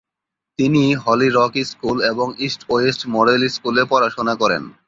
তিনি Holy Rock School এবং East West Model স্কুলে পড়াশোনা করেন।